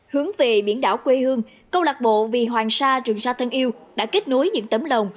hướng về biển đảo quê hương câu lạc bộ vì hoàng sa trường sa thân yêu đã kết nối những tấm lòng